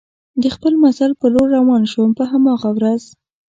د خپل مزل په لور روان شوم، په هماغه ورځ.